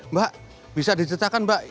mbak bisa dicetakkan mbak